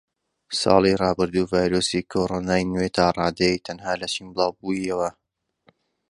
ساڵی ڕابردوو ڤایرۆسی کۆرۆنای نوێ تاڕادەیەک تەنها لە چین بڵاوبوویەوە